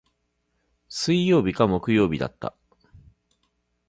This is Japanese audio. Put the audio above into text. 水曜日か木曜日だった。